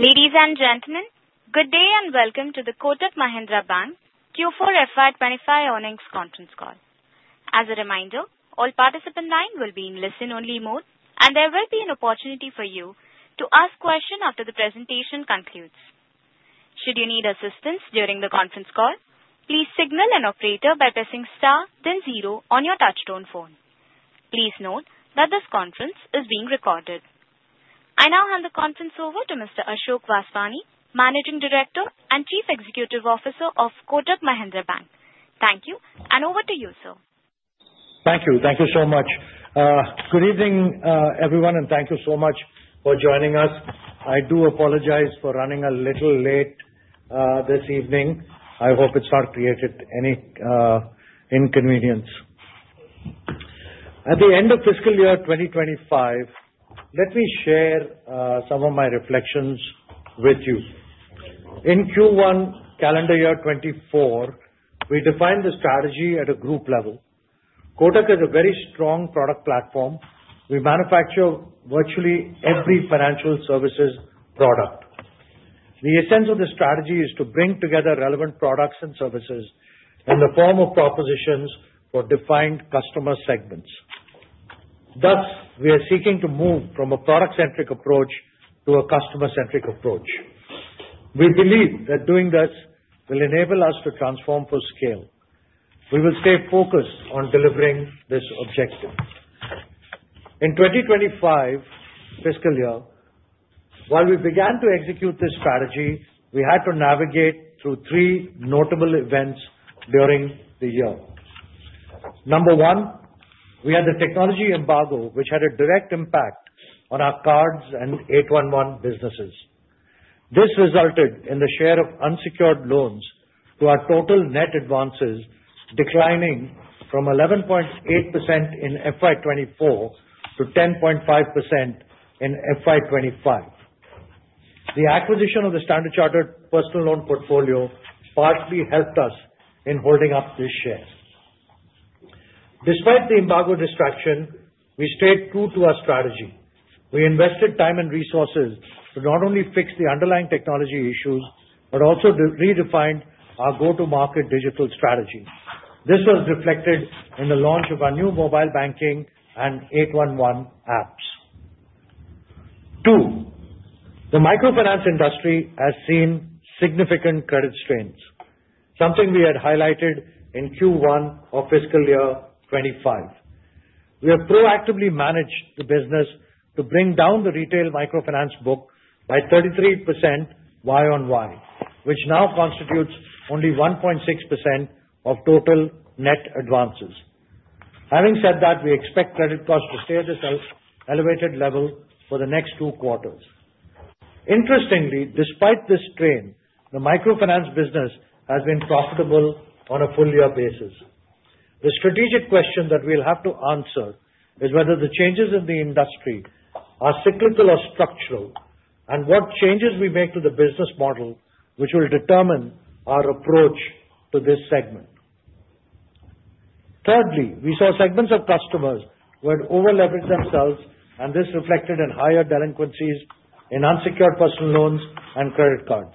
Ladies and gentlemen, good day and welcome to the Kotak Mahindra Bank Q4 FY25 earnings conference call. As a reminder, all participants' lines will be in listen-only mode, and there will be an opportunity for you to ask questions after the presentation concludes. Should you need assistance during the conference call, please signal an operator by pressing star then zero on your touch-tone phone. Please note that this conference is being recorded. I now hand the conference over to Mr. Ashok Vaswani, Managing Director and Chief Executive Officer of Kotak Mahindra Bank. Thank you, and over to you, sir. Thank you. Thank you so much. Good evening, everyone, and thank you so much for joining us. I do apologize for running a little late this evening. I hope it has not created any inconvenience. At the end of fiscal year 2025, let me share some of my reflections with you. In Q1, calendar year 2024, we defined the strategy at a group level. Kotak has a very strong product platform. We manufacture virtually every financial services product. The essence of the strategy is to bring together relevant products and services in the form of propositions for defined customer segments. Thus, we are seeking to move from a product-centric approach to a customer-centric approach. We believe that doing this will enable us to transform for scale. We will stay focused on delivering this objective. In the 2025 fiscal year, while we began to execute this strategy, we had to navigate through three notable events during the year. Number one, we had the technology embargo, which had a direct impact on our cards and 811 businesses. This resulted in the share of unsecured loans to our total net advances declining from 11.8% in FY2024 to 10.5% in FY2025. The acquisition of the Standard Chartered Personal Loan Portfolio partly helped us in holding up this share. Despite the embargo distraction, we stayed true to our strategy. We invested time and resources to not only fix the underlying technology issues but also redefined our go-to-market digital strategy. This was reflected in the launch of our new Mobile Banking and 811 apps. Two, the microfinance industry has seen significant credit strains, something we had highlighted in Q1 of fiscal year 2025. We have proactively managed the business to bring down the retail microfinance book by 33% year on year, which now constitutes only 1.6% of total net advances. Having said that, we expect credit costs to stay at this elevated level for the next two quarters. Interestingly, despite this strain, the microfinance business has been profitable on a full-year basis. The strategic question that we'll have to answer is whether the changes in the industry are cyclical or structural, and what changes we make to the business model which will determine our approach to this segment. Thirdly, we saw segments of customers who had over-leveraged themselves, and this reflected in higher delinquencies in unsecured personal loans and credit cards.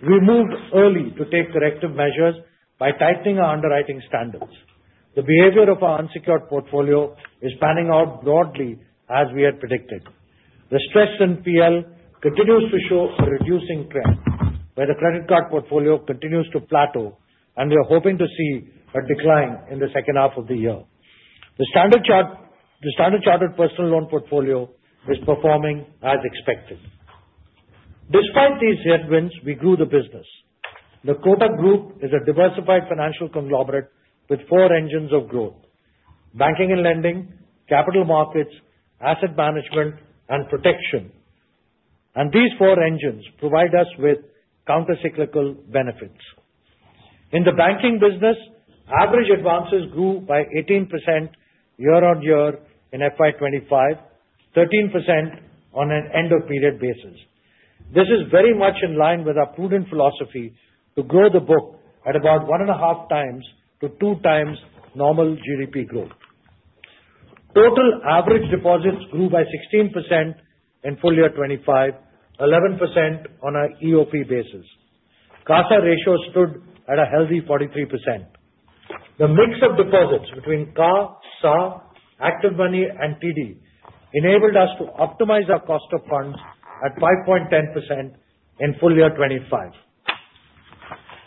We moved early to take corrective measures by tightening our underwriting standards. The behavior of our unsecured portfolio is panning out broadly as we had predicted. The stress in PL continues to show a reducing trend, where the credit card portfolio continues to plateau, and we are hoping to see a decline in the second half of the year. The Standard Chartered Personal Loan Portfolio is performing as expected. Despite these headwinds, we grew the business. The Kotak Group is a diversified financial conglomerate with four engines of growth: banking and lending, capital markets, asset management, and protection. These four engines provide us with countercyclical benefits. In the banking business, average advances grew by 18% year-on-year in 2025, 13% on an end-of-period basis. This is very much in line with our prudent philosophy to grow the book at about one and a half times to two times normal GDP growth. Total average deposits grew by 16% in full-year 2025, 11% on an EOP basis. CASA ratio stood at a healthy 43%. The mix of deposits between CA, SA, ActivMoney, and TD enabled us to optimize our cost of funds at 5.10% in full-year 2025.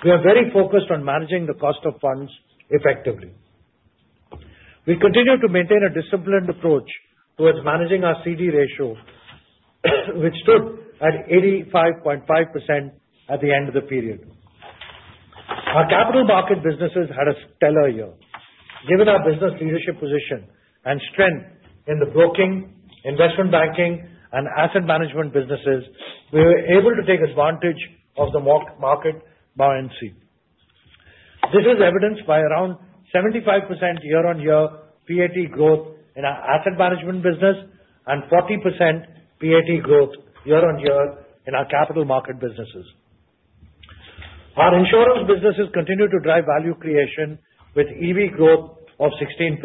We are very focused on managing the cost of funds effectively. We continue to maintain a disciplined approach towards managing our CD ratio, which stood at 85.5% at the end of the period. Our capital market businesses had a stellar year. Given our business leadership position and strength in the broking, investment banking, and asset management businesses, we were able to take advantage of the market buoyancy. This is evidenced by around 75% year-on-year PAT growth in our asset management business and 40% PAT growth year-on-year in our capital market businesses. Our insurance businesses continue to drive value creation with EV growth of 16%.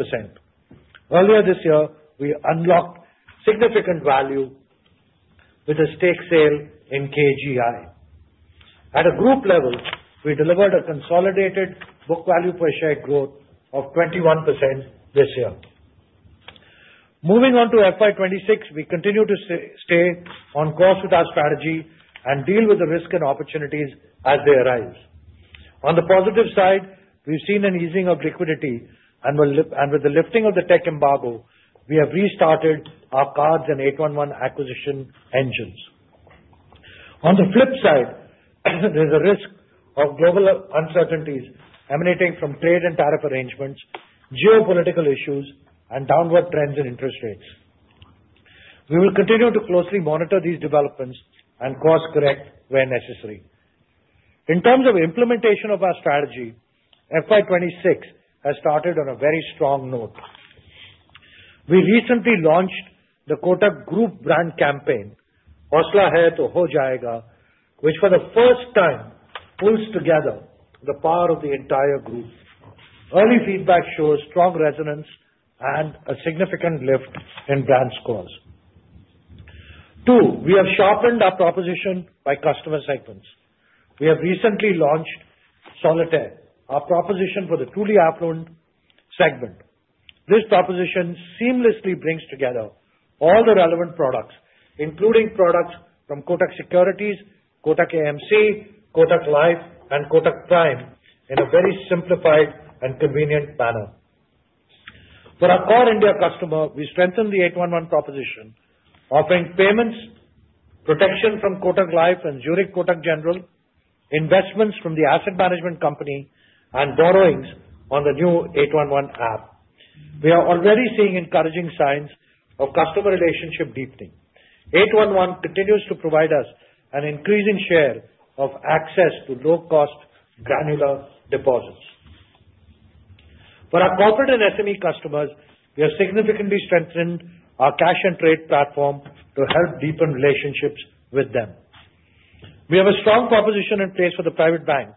Earlier this year, we unlocked significant value with a stake sale in KGI. At a group level, we delivered a consolidated book value per share growth of 21% this year. Moving on to FY2026, we continue to stay on course with our strategy and deal with the risk and opportunities as they arise. On the positive side, we've seen an easing of liquidity, and with the lifting of the tech embargo, we have restarted our cards and 811 acquisition engines. On the flip side, there's a risk of global uncertainties emanating from trade and tariff arrangements, geopolitical issues, and downward trends in interest rates. We will continue to closely monitor these developments and course-correct where necessary. In terms of implementation of our strategy, FY2026 has started on a very strong note. We recently launched the Kotak Group brand campaign, "हौसला है तो हो जाएगा," which for the first time pulls together the power of the entire group. Early feedback shows strong resonance and a significant lift in brand scores. Two, we have sharpened our proposition by customer segments. We have recently launched Solitaire, our proposition for the truly affluent segment. This proposition seamlessly brings together all the relevant products, including products from Kotak Securities, Kotak AMC, Kotak Life, and Kotak Prime in a very simplified and convenient manner. For our core India customer, we strengthen the 811 proposition, offering payments, protection from Kotak Life and Zurich Kotak General, investments from the asset management company, and borrowings on the new 811 app. We are already seeing encouraging signs of customer relationship deepening. 811 continues to provide us an increasing share of access to low-cost granular deposits. For our corporate and SME customers, we have significantly strengthened our cash and trade platform to help deepen relationships with them. We have a strong proposition in place for the private bank,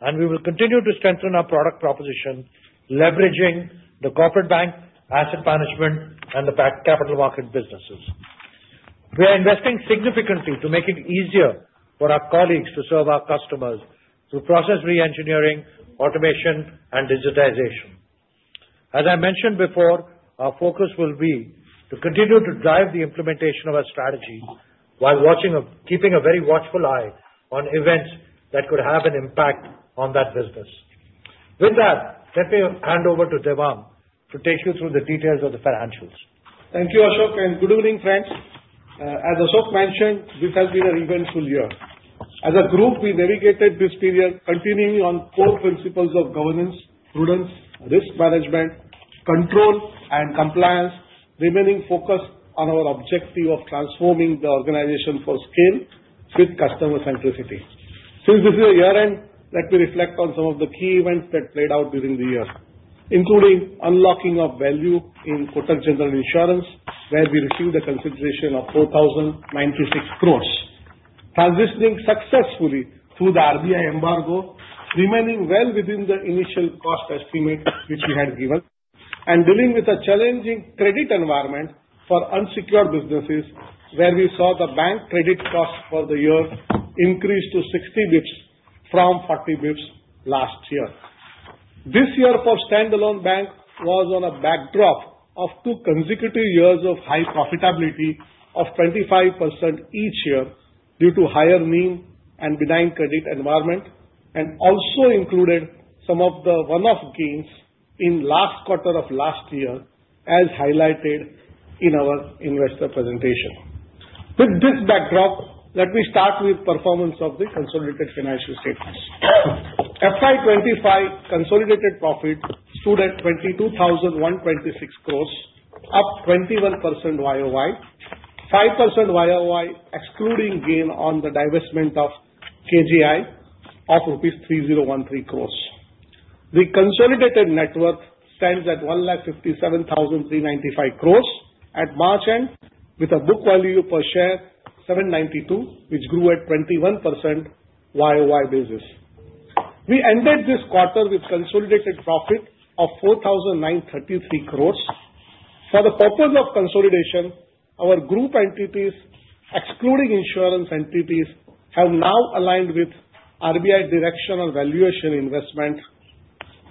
and we will continue to strengthen our product proposition, leveraging the corporate bank, asset management, and the capital market businesses. We are investing significantly to make it easier for our colleagues to serve our customers through process re-engineering, automation, and digitization. As I mentioned before, our focus will be to continue to drive the implementation of our strategy while keeping a very watchful eye on events that could have an impact on that business. With that, let me hand over to Devang to take you through the details of the financials. Thank you, Ashok, and good evening, friends. As Ashok mentioned, this has been an eventful year. As a group, we navigated this period, continuing on core principles of governance, prudence, risk management, control, and compliance, remaining focused on our objective of transforming the organization for scale with customer-centricity. Since this is a year-end, let me reflect on some of the key events that played out during the year, including unlocking of value in Kotak General Insurance, where we received a consideration of 4,096 crore, transitioning successfully through the RBI embargo, remaining well within the initial cost estimate which we had given, and dealing with a challenging credit environment for unsecured businesses, where we saw the bank credit cost for the year increase to 60 basis points from 40 basis points last year. This year, for Standalone Bank, was on a backdrop of two consecutive years of high profitability of 25% each year due to higher mean and benign credit environment, and also included some of the one-off gains in the last quarter of last year, as highlighted in our investor presentation. With this backdrop, let me start with the performance of the consolidated financial statements. FY25 consolidated profit stood at 22,126 crore, up 21% YoY, 5% YoY excluding gain on the divestment of KGI of rupees 3,013 crore. The consolidated net worth stands at 1,57,395 crore at March end, with a book value per share of 792, which grew at 21% YoY basis. We ended this quarter with consolidated profit of 4,933 crore. For the purpose of consolidation, our group entities, excluding insurance entities, have now aligned with RBI directional valuation investment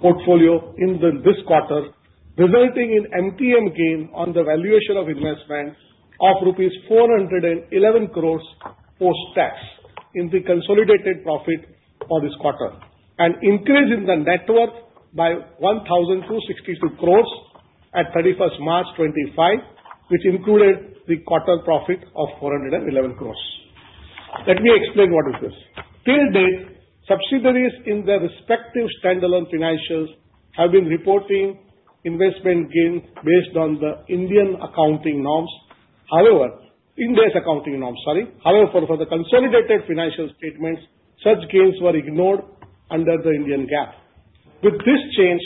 portfolio in this quarter, resulting in MTM gain on the valuation of investment of rupees 411 crore post-tax in the consolidated profit for this quarter, an increase in the net worth by 1,262 crore at 31st March 2025, which included the quarter profit of 411 crore. Let me explain what is this. Till date, subsidiaries in their respective standalone financials have been reporting investment gains based on the Indian accounting norms. However, for the consolidated financial statements, such gains were ignored under the Indian GAAP. With this change,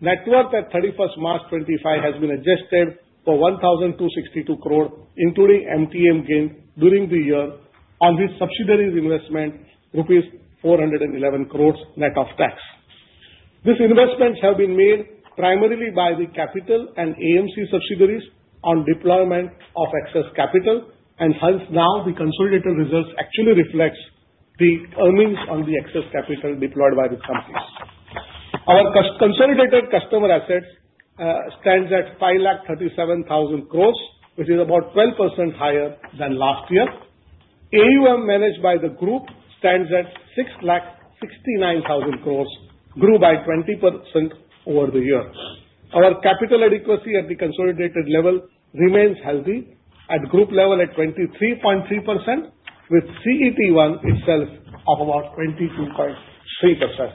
net worth at 31st March 2025 has been adjusted for 1,262 crore, including MTM gain during the year on which subsidiaries investment rupees 411 crore net of tax. These investments have been made primarily by the capital and AMC subsidiaries on deployment of excess capital, and hence now the consolidated results actually reflect the earnings on the excess capital deployed by these companies. Our consolidated customer assets stand at 537,000 crore, which is about 12% higher than last year. AUM managed by the group stands at 669,000 crore, grew by 20% over the year. Our capital adequacy at the consolidated level remains healthy. At group level, at 23.3%, with CET1 itself of about 22.3%.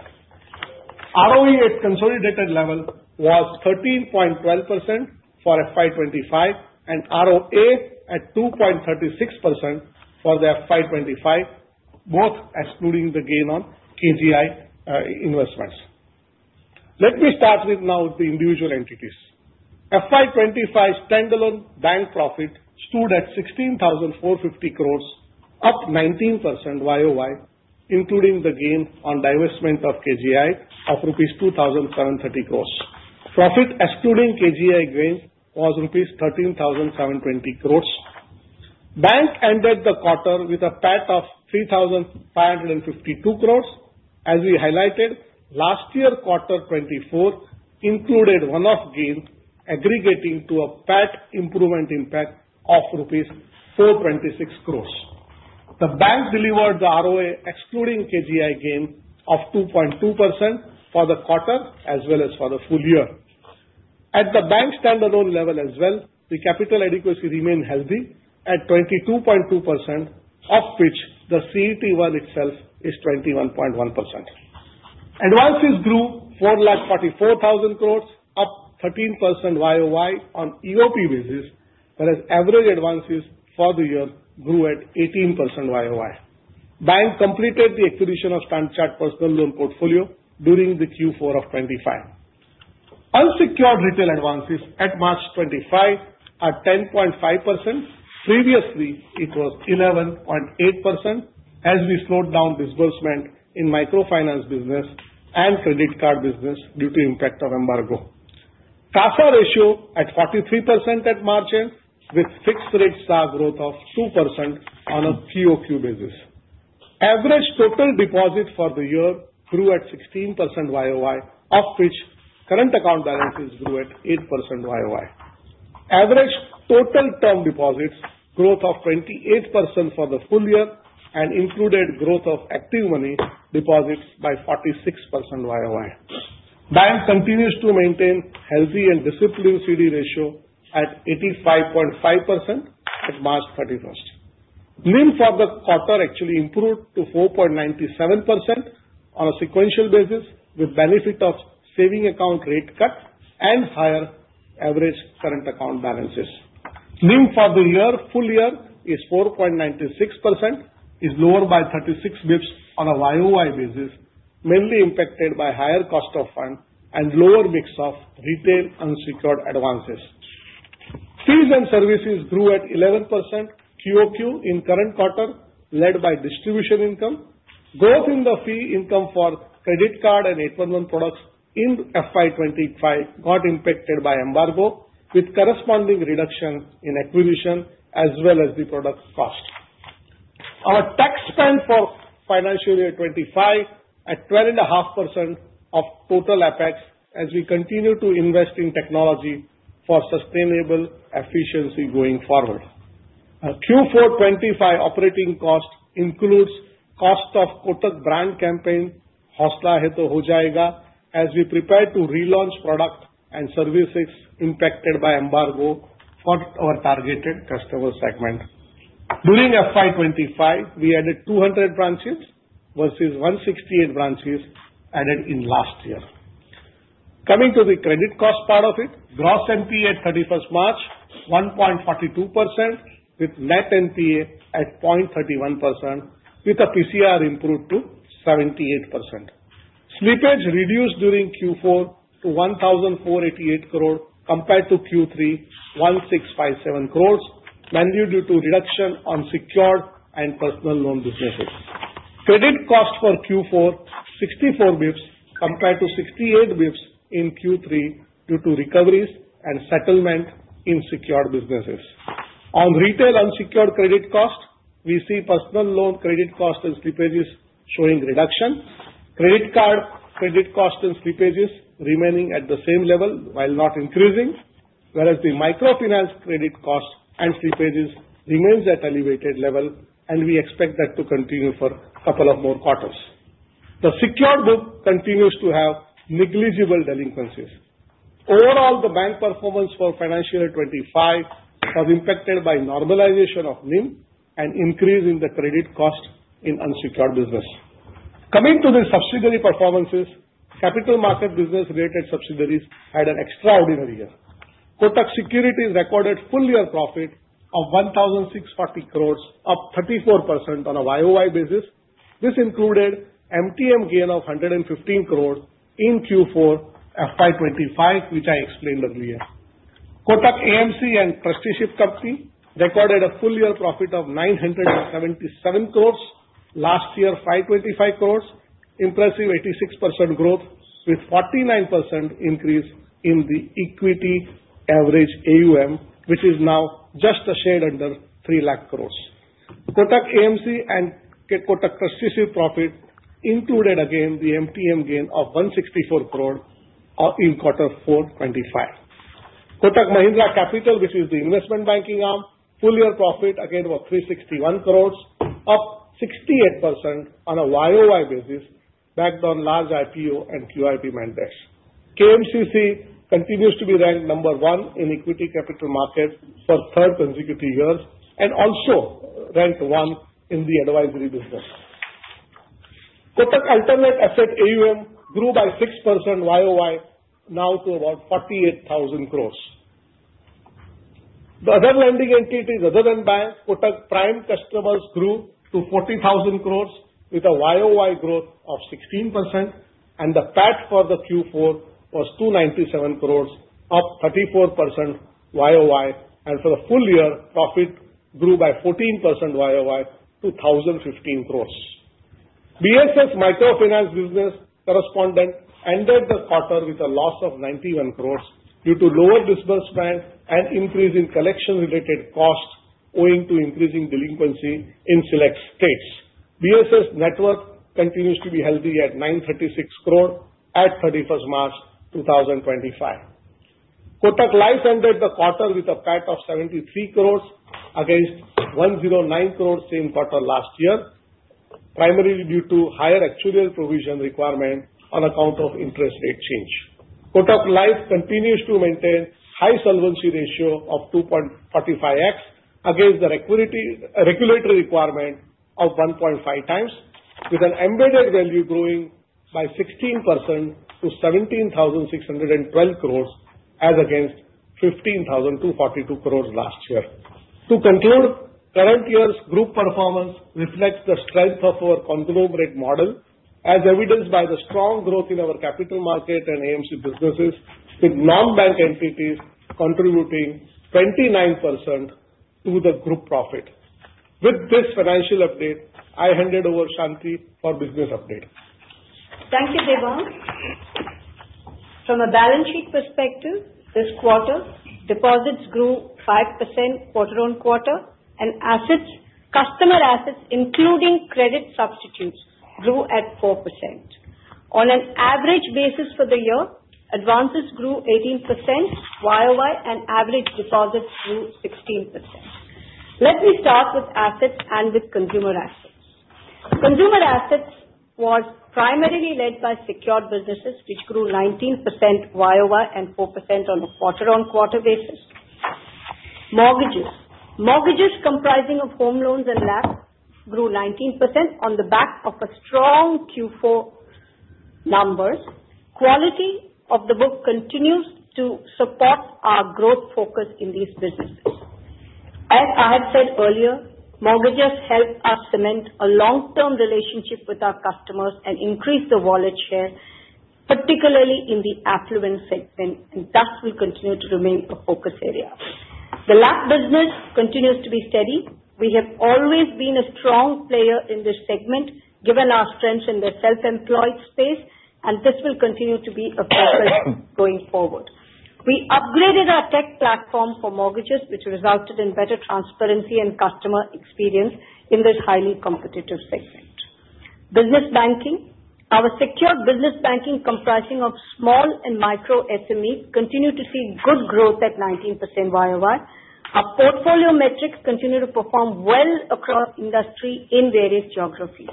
ROE at consolidated level was 13.12% for FY2025, and ROA at 2.36% for the FY2025, both excluding the gain on KGI investments. Let me start with now the individual entities. FY2025 standalone bank profit stood at 16,450 crore, up 19% YoY, including the gain on divestment of KGI of rupees 2,730 crore. Profit excluding KGI gain was rupees 13,720 crore. Bank ended the quarter with a PAT of 3,552 crore. As we highlighted, last year quarter 2024 included one-off gain aggregating to a PAT improvement impact of rupees 426 crore. The bank delivered the ROA excluding KGI gain of 2.2% for the quarter as well as for the full year. At the bank standalone level as well, the capital adequacy remained healthy at 22.2%, of which the CET1 itself is 21.1%. Advances grew 444,000 crore, up 13% YoY on EOP basis, whereas average advances for the year grew at 18% YoY. Bank completed the acquisition of Standard Chartered personal loan portfolio during the Q4 of 2025. Unsecured retail advances at March 2025 are 10.5%. Previously, it was 11.8% as we slowed down disbursement in microfinance business and credit card business due to the impact of embargo. CASA ratio at 43% at March end, with fixed rate SA growth of 2% on a QoQ basis. Average total deposit for the year grew at 16% YoY, of which current account balances grew at 8% YoY. Average total term deposits growth of 28% for the full year and included growth of Active Money deposits by 46% YoY. Bank continues to maintain healthy and disciplined CD ratio at 85.5% at March 31. NIM for the quarter actually improved to 4.97% on a sequential basis with the benefit of saving account rate cut and higher average current account balances. NIM for the full year is 4.96%, is lower by 36 basis points on a YoY basis, mainly impacted by higher cost of fund and lower mix of retail unsecured advances. Fees and services grew at 11% QoQ in the current quarter, led by distribution income. Growth in the fee income for credit card and 811 products in FY25 got impacted by embargo, with corresponding reduction in acquisition as well as the product cost. Our tax spend for financial year 2025 at 12.5% of total OpEx as we continue to invest in technology for sustainable efficiency going forward. Q4 2025 operating cost includes the cost of Kotak brand campaign, "हौसला है तो हो जाएगा," as we prepare to relaunch products and services impacted by embargo for our targeted customer segment. During FY25, we added 200 branches versus 168 branches added in last year. Coming to the credit cost part of it, gross NPA at 31st March was 1.42%, with net NPA at 0.31%, with PCR improved to 78%. Slippage reduced during Q4 to 1,488 crore compared to Q3, 1,657 crore, mainly due to reduction on secured and personal loan businesses. Credit cost for Q4 was 64 basis points compared to 68 basis points in Q3 due to recoveries and settlement in secured businesses. On retail unsecured credit cost, we see personal loan credit cost and slippages showing reduction. Credit card credit cost and slippages remaining at the same level while not increasing, whereas the microfinance credit cost and slippages remain at an elevated level, and we expect that to continue for a couple of more quarters. The secured book continues to have negligible delinquencies. Overall, the bank performance for financial year 2025 was impacted by the normalization of NIM and an increase in the credit cost in unsecured businesses. Coming to the subsidiary performances, capital market business-related subsidiaries had an extraordinary year. Kotak Securities recorded full year profit of 1,640 crore, up 34% on a YoY basis. This included MTM gain of 115 crore in Q4 2025, which I explained earlier. Kotak AMC and Trusteeship Company recorded a full year profit of 977 crore last year, 525 crore, impressive 86% growth with a 49% increase in the equity average AUM, which is now just a shade under 3 lakh crore. Kotak AMC and Kotak Trusteeship profit included again the MTM gain of 164 crore in Q4 2025. Kotak Mahindra Capital, which is the investment banking arm, had a full year profit again of 361 crore, up 68% on a YoY basis backed on large IPO and QIP mandates. KMCC continues to be ranked number one in equity capital markets for the third consecutive year and also ranked one in the advisory business. Kotak Alternate Asset AUM grew by 6% YoY, now to about 48,000 crore. The other lending entities, other than banks, Kotak Prime customers grew to 40,000 crore with a year-over-year growth of 16%, and the PAT for Q4 was 297 crore, up 34% year-over-year, and for the full year, profit grew by 14% year-over-year to 1,015 crore. Bharat Financial Inclusion Limited microfinance business correspondent ended the quarter with a loss of 91 crore due to lower disbursement and an increase in collection-related costs owing to increasing delinquency in select states. Bharat Financial Inclusion Limited's net worth continues to be healthy at 936 crore at 31 March 2025. Kotak Life ended the quarter with a PAT of 73 crore against 109 crore same quarter last year, primarily due to higher actuarial provision requirement on account of interest rate change. Kotak Life continues to maintain a high solvency ratio of 2.45x against the regulatory requirement of 1.5x, with an embedded value growing by 16% to 17,612 crore as against 15,242 crore last year. To conclude, the current year's group performance reflects the strength of our conglomerate model, as evidenced by the strong growth in our capital market and AMC businesses, with non-bank entities contributing 29% to the group profit. With this financial update, I hand it over to Shanti for the business update. Thank you, Devang. From a balance sheet perspective, this quarter, deposits grew 5% quarter on quarter, and assets, customer assets, including credit substitutes, grew at 4%. On an average basis for the year, advances grew 18% year on year, and average deposits grew 16%. Let me start with assets and with consumer assets. Consumer assets were primarily led by secured businesses, which grew 19% year over year and 4% on a quarter-on-quarter basis. Mortgages, comprising home loans and land, grew 19% on the back of strong Q4 numbers. The quality of the book continues to support our growth focus in these businesses. As I have said earlier, mortgages help us cement a long-term relationship with our customers and increase the wallet share, particularly in the affluent segment, and thus will continue to remain a focus area. The land business continues to be steady. We have always been a strong player in this segment, given our strengths in the self-employed space, and this will continue to be a focus going forward. We upgraded our tech platform for mortgages, which resulted in better transparency and customer experience in this highly competitive segment. Business banking, our secured business banking, comprising small and micro SMEs, continues to see good growth at 19% YoY. Our portfolio metrics continue to perform well across industry in various geographies.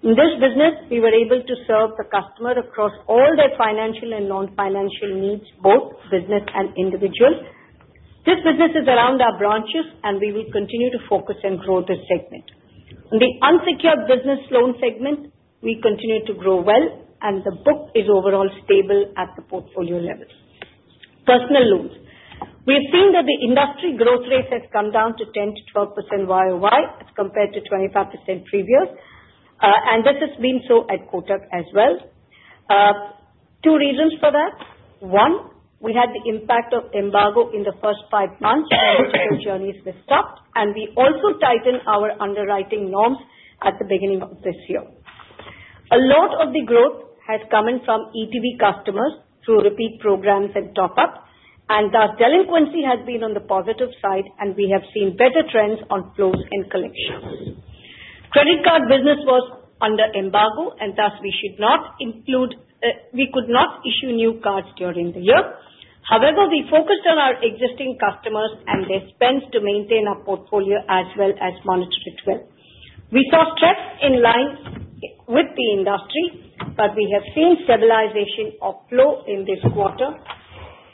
In this business, we were able to serve the customer across all their financial and non-financial needs, both business and individual. This business is around our branches, and we will continue to focus and grow this segment. In the unsecured business loan segment, we continue to grow well, and the book is overall stable at the portfolio level. Personal loans, we have seen that the industry growth rate has come down to 10%-12% YoY as compared to 25% previous, and this has been so at Kotak as well. Two reasons for that: one, we had the impact of embargo in the first five months, and the digital journey was stopped, and we also tightened our underwriting norms at the beginning of this year. A lot of the growth has come in from ETB customers through repeat programs and top-up, and thus delinquency has been on the positive side, and we have seen better trends on flows and collections. Credit card business was under embargo, and thus we should not include, we could not issue new cards during the year. However, we focused on our existing customers and their spends to maintain our portfolio as well as monitor it well. We saw strength in line with the industry, but we have seen stabilization of flow in this quarter.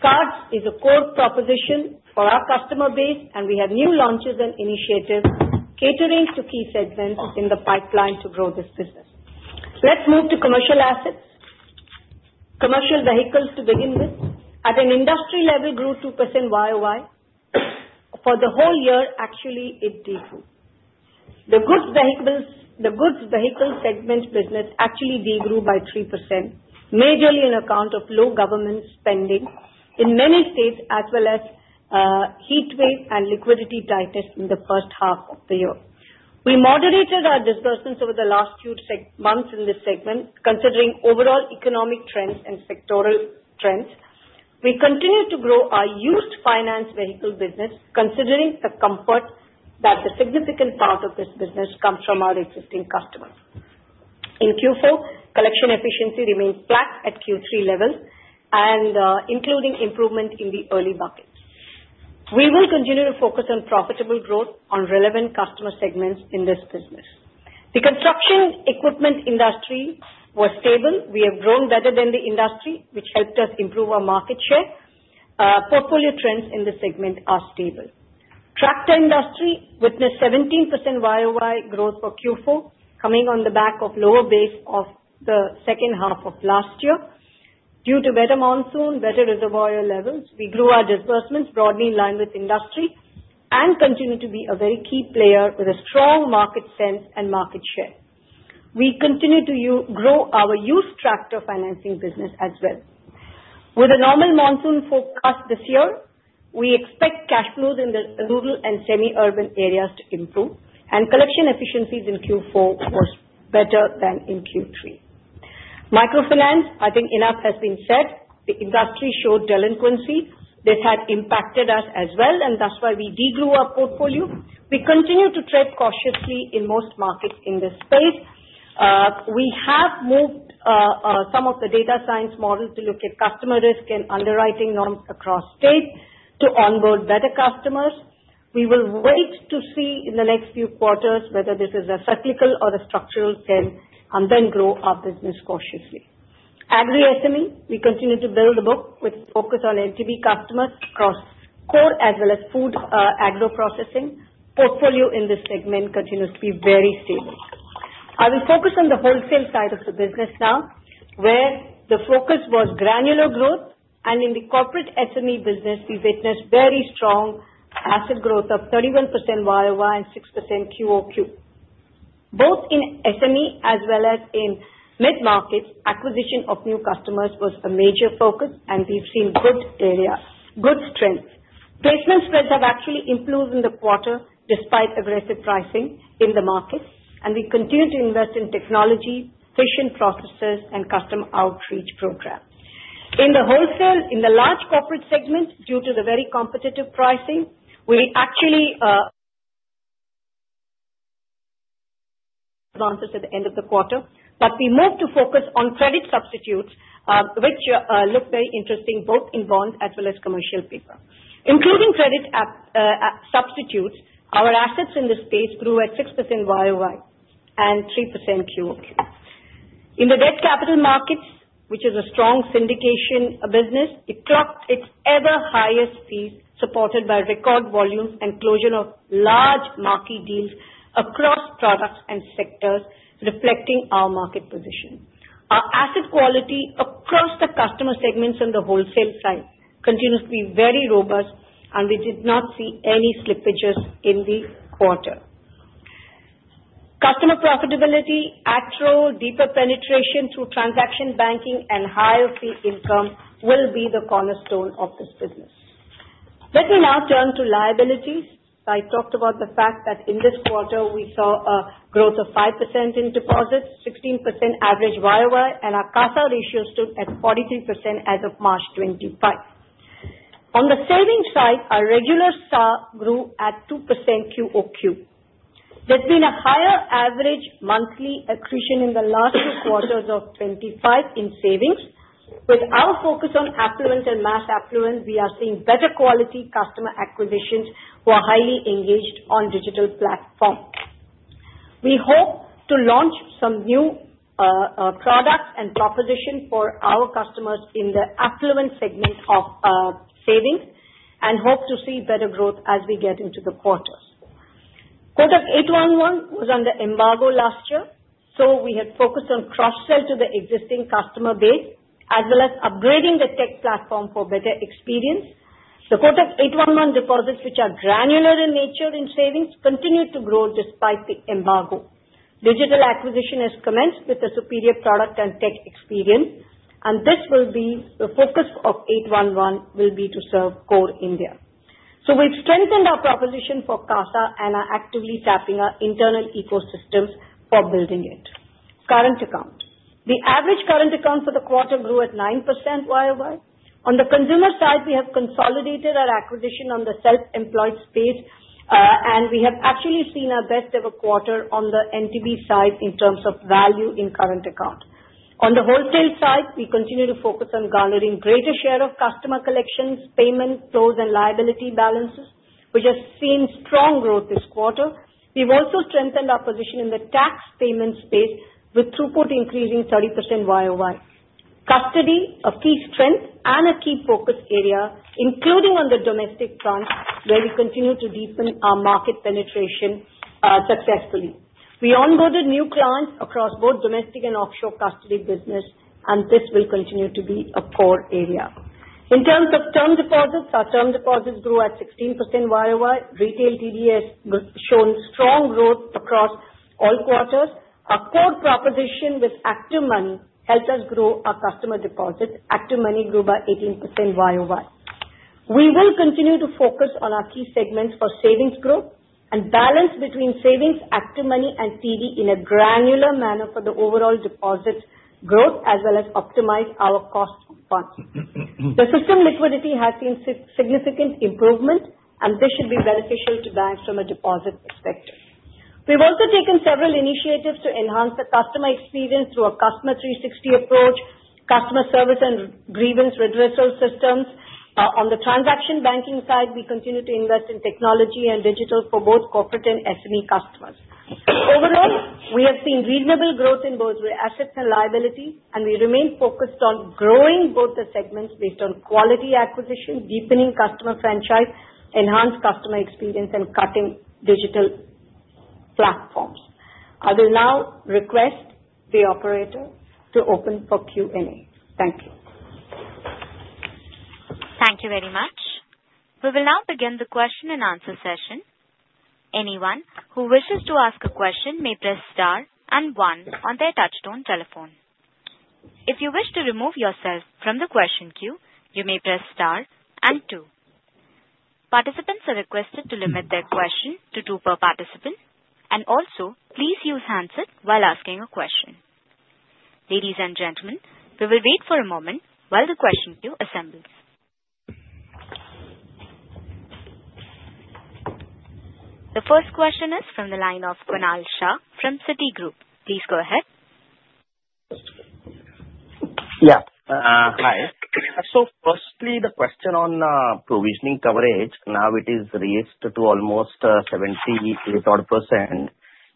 Cards is a core proposition for our customer base, and we have new launches and initiatives catering to key segments in the pipeline to grow this business. Let's move to commercial assets. Commercial vehicles, to begin with, at an industry level, grew 2% YoY. For the whole year, actually, it degrew. The goods vehicle segment business actually degrew by 3%, majorly on account of low government spending in many states, as well as heat wave and liquidity tightness in the first half of the year. We moderated our disbursements over the last few months in this segment, considering overall economic trends and sectoral trends. We continue to grow our used finance vehicle business, considering the comfort that a significant part of this business comes from our existing customers. In Q4, collection efficiency remained flat at Q3 levels, including improvement in the early buckets. We will continue to focus on profitable growth on relevant customer segments in this business. The construction equipment industry was stable. We have grown better than the industry, which helped us improve our market share. Portfolio trends in this segment are stable. Tractor industry witnessed 17% YoY growth for Q4, coming on the back of a lower base of the second half of last year. Due to a better monsoon, better reservoir levels, we grew our disbursements broadly in line with industry and continue to be a very key player with a strong market sense and market share. We continue to grow our used tractor financing business as well. With a normal monsoon forecast this year, we expect cash flows in the rural and semi-urban areas to improve, and collection efficiencies in Q4 were better than in Q3. Microfinance, I think enough has been said. The industry showed delinquency. This had impacted us as well, and that's why we degrew our portfolio. We continue to trade cautiously in most markets in this space. We have moved some of the data science models to look at customer risk and underwriting norms across states to onboard better customers. We will wait to see in the next few quarters whether this is a cyclical or a structural trend and then grow our business cautiously. Agri-SME, we continue to build the book with a focus on NTB customers across core as well as food agro-processing. The portfolio in this segment continues to be very stable. I will focus on the wholesale side of the business now, where the focus was granular growth, and in the corporate SME business, we witnessed very strong asset growth of 31% YoY and 6% QoQ. Both in SME as well as in mid-markets, acquisition of new customers was a major focus, and we've seen good areas, good strengths. Placement spreads have actually improved in the quarter despite aggressive pricing in the markets, and we continue to invest in technology, efficient processes, and customer outreach programs. In the wholesale, in the large corporate segment, due to the very competitive pricing, we actually—that was at the end of the quarter—but we moved to focus on credit substitutes, which look very interesting both in bonds as well as commercial paper. Including credit substitutes, our assets in this space grew at 6% YoY and 3% QoQ. In the debt capital markets, which is a strong syndication business, it clocked its ever-highest fees supported by record volumes and closure of large marquee deals across products and sectors, reflecting our market position. Our asset quality across the customer segments on the wholesale side continues to be very robust, and we did not see any slippages in the quarter. Customer profitability, at-row, deeper penetration through transaction banking, and higher fee income will be the cornerstone of this business. Let me now turn to liabilities. I talked about the fact that in this quarter, we saw a growth of 5% in deposits, 16% average year-over-year, and our CASA ratio stood at 43% as of March 25. On the savings side, our regular SA grew at 2% QoQ. There's been a higher average monthly accretion in the last two quarters of 25 in savings. With our focus on affluent and mass affluent, we are seeing better quality customer acquisitions who are highly engaged on the digital platform. We hope to launch some new products and propositions for our customers in the affluent segment of savings and hope to see better growth as we get into the quarters. Kotak 811 was under embargo last year, so we had focused on cross-sell to the existing customer base as well as upgrading the tech platform for a better experience. The Kotak 811 deposits, which are granular in nature in savings, continued to grow despite the embargo. Digital acquisition has commenced with a superior product and tech experience, and this will be the focus of 811, which will be to serve core India. We have strengthened our proposition for CASA and are actively tapping our internal ecosystems for building it. Current account, the average current account for the quarter grew at 9% YoY. On the consumer side, we have consolidated our acquisition on the self-employed space, and we have actually seen our best-ever quarter on the NTB side in terms of value in current account. On the wholesale side, we continue to focus on garnering a greater share of customer collections, payment flows, and liability balances, which has seen strong growth this quarter. We have also strengthened our position in the tax payment space with throughput increasing 30% YoY. Custody is a key strength and a key focus area, including on the domestic front, where we continue to deepen our market penetration successfully. We onboarded new clients across both domestic and offshore custody business, and this will continue to be a core area. In terms of term deposits, our term deposits grew at 16% YoY. Retail TDS shown strong growth across all quarters. Our core proposition with Active Money helped us grow our customer deposits. Active Money grew by 18% YoY. We will continue to focus on our key segments for savings growth and balance between savings, Active Money, and TD in a granular manner for the overall deposits growth, as well as optimize our cost funds. The system liquidity has seen significant improvement, and this should be beneficial to banks from a deposit perspective. We've also taken several initiatives to enhance the customer experience through a customer 360 approach, customer service, and grievance reversal systems. On the transaction banking side, we continue to invest in technology and digital for both corporate and SME customers. Overall, we have seen reasonable growth in both assets and liabilities, and we remain focused on growing both the segments based on quality acquisition, deepening customer franchise, enhancing customer experience, and cutting digital platforms. I will now request the operator to open for Q&A. Thank you. Thank you very much. We will now begin the question-and-answer session. Anyone who wishes to ask a question may press star and one on their touch-tone telephone. If you wish to remove yourself from the question queue, you may press star and two. Participants are requested to limit their question to two per participant, and also, please use handsets while asking a question. Ladies and gentlemen, we will wait for a moment while the question queue assembles. The first question is from the line of Kunal Shah from Citigroup. Please go ahead. Yeah, hi. Firstly, the question on provisioning coverage, now it is raised to almost 70%,